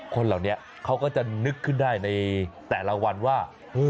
คนเหล่านี้เขาก็จะนึกขึ้นได้ในแต่ละวันว่า